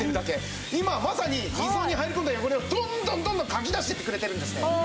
今まさに溝に入り込んだ汚れをどんどんどんどんかき出していってくれてるんですね。